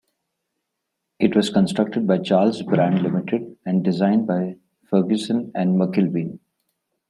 It was constructed by Charles Brand Ltd and designed by Ferguson and McIlveen.